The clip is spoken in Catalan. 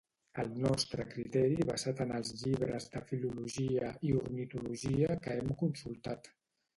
El nostre criteri basat en els llibres de filologia i ornitologia que hem consultat